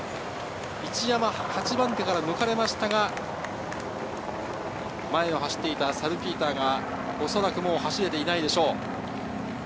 一山、８番手から抜かれましたが、前を走っていたサルピーターがおそらく、もう走れていないでしょう。